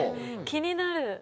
気になる！